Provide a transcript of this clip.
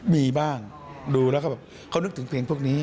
มีบ้างดูแล้วก็แบบเขานึกถึงเพลงพวกนี้